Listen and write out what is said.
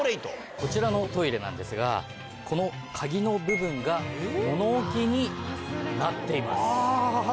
こちらのトイレなんですがこの鍵の部分が物置になっています。